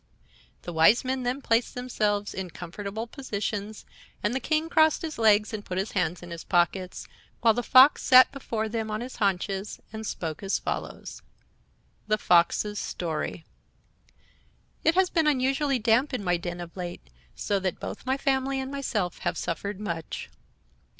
The Wise Men then placed themselves in comfortable positions, and the King crossed his legs and put his hands in his pockets, while the Fox sat before them on his haunches and spoke as follows: THE FOX'S STORY. "It has been unusually damp in my den of late, so that both my family and myself have suffered much.